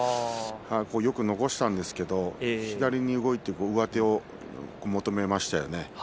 よく琴恵光は残したんですが左に動いて上手を求めましたね。